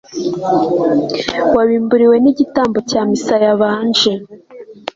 wabimburiwe n igitambo cyamisa yabanje